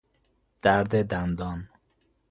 درد دندان